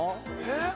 えっ？